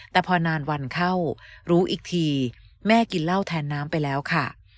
แต่พอนานวันเข้ารู้อีกทีแม่กินเหล้าแทนน้ำไปแล้วค่ะ